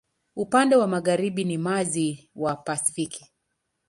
Upande wa magharibi ni maji wa Pasifiki.